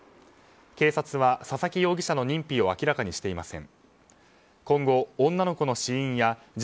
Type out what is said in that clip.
警察は佐々木容疑者の認否を明らかにしていません。